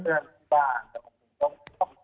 ถ้าอยาก